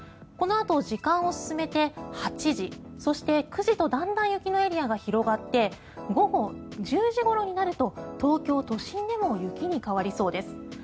このあと時間を進めて８時、そして９時とだんだんと雪のエリアが広がって午後１０時ごろになると東京都心でも雪に変わりそうです。